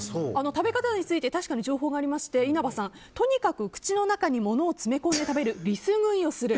食べ方について確かに情報がありまして稲葉さん、とにかく口の中に物を詰め込んで食べるリス食いをする。